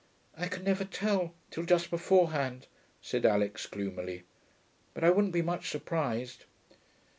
'I can never tell, till just beforehand,' said Alix gloomily. 'But I wouldn't be much surprised.'